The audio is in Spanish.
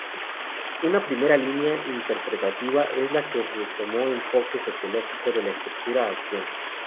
Una primera línea interpretativa es la que retomó el enfoque sociológico de la estructura-acción.